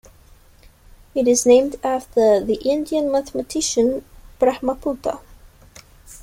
It is named after the Indian mathematician Brahmagupta.